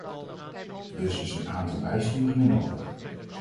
Dus is een aantal bijsturingen nodig.